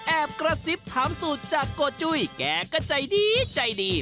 กระซิบถามสูตรจากโกจุ้ยแกก็ใจดีใจดี